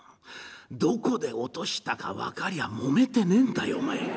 どこで落としたか分かりゃもめてねえんだよお前。